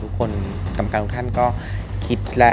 ๓๐๒๑ที่พี่เคยจะเรียนเชิญเข้ามาบนเวทีนี้นะครับได้แก่หมายเลข